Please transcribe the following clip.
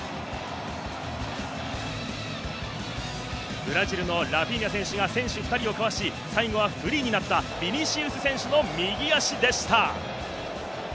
ブラジルのラフィーニャ選手が選手２人をかわし、最後はフリーになったヴィニシウス選手の右脚でした。